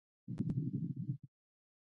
لوی پانګوال له لس سلنه څخه زیات نه وو